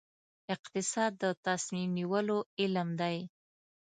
اقتصاد د تصمیم نیولو علم دی